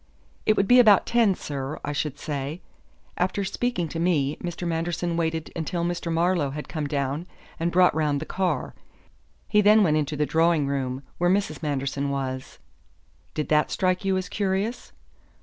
"It would be about ten, sir, I should say. After speaking to me, Mr. Manderson waited until Mr. Marlowe had come down and brought round the car. He then went into the drawing room, where Mrs. Manderson was." "Did that strike you as curious?"